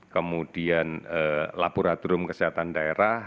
kemudian laboratorium kesehatan daerah